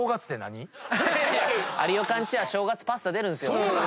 有岡んちは正月パスタ出るんすよ。